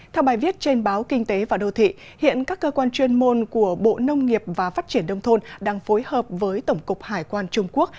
theo bài viết trên báo kinh tế và đô thị hiện các cơ quan chuyên môn của bộ nông nghiệp và phát triển đông thôn đang phối hợp với tổng cục hải quan trung quốc